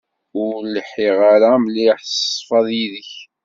Ur lḥiɣ ara mliḥ s ṣṣfa yid-k.